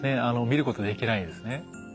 見ることできないんですね。